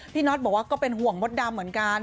น็อตบอกว่าก็เป็นห่วงมดดำเหมือนกัน